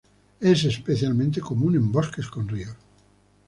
Es especialmente común en bosques con ríos.